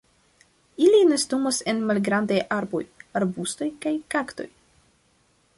Ili nestumas en malgrandaj arboj, arbustoj aŭ kaktoj.